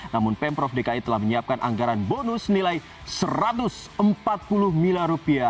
namun pemprov dki telah menyiapkan anggaran bonus nilai rp satu ratus empat puluh miliar